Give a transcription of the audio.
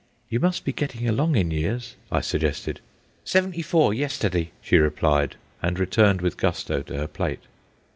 "You must be getting along in years," I suggested. "Seventy four yesterday," she replied, and returned with gusto to her plate.